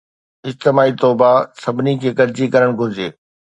اجتماعي توبه سڀني کي گڏجي ڪرڻ گهرجي